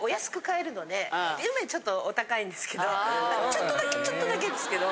ちょっとだけちょっとだけですけど。